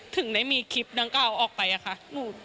ถึงได้มีคลิปนั้นนก็เอาออกไปอะค่ะหนูทำดีที่สุดแล้ว